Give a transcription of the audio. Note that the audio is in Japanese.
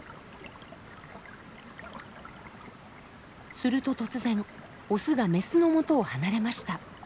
すると突然オスがメスの元を離れました。